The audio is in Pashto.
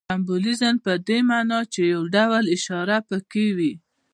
سمبولیزم په دې ماناچي یو ډول اشاره پکښې وي.